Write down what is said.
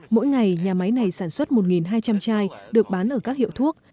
mỗi ngày nhà máy này sản xuất một hai trăm linh chai được bán ở các hiệu thuốc